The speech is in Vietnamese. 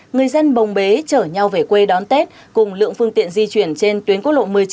người dân bồng bế chở nhau về quê đón tết cùng lượng phương tiện di chuyển trên tuyến quốc lộ một mươi chín